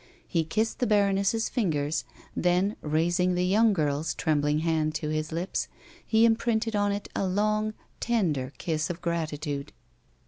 He kissed the baroness's fingers, then, rais ing the young girl's trembling hand to his lips, he imprinted on it a long, tender kiss of gratitude.